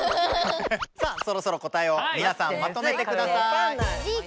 さあそろそろ答えをみなさんまとめてください。